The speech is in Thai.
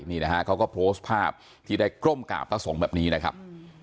นี่นะฮะเขาก็โพสต์ภาพที่ได้ก้มกราบพระสงฆ์แบบนี้นะครับ